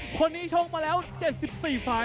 คนนี้ชงมาแล้ว๗๔ไฟชนะ๕๓ไฟเสมอ๑ไฟและแพ้๒๐ไฟ